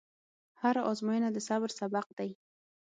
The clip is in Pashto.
هره ازموینه د صبر سبق دی.